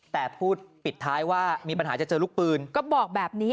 แต่พูดปิดท้ายว่ามีปัญหาจะเจอลูกปืนก็บอกแบบนี้